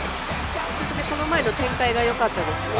この前の展開がよかったですね。